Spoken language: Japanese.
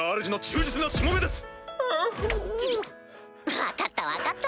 分かった分かった。